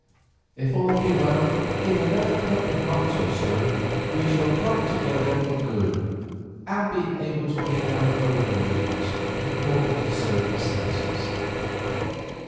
If all be well, in another couple of months or so we shall come together for good, and be able to make our own arrangements, according to circumstances.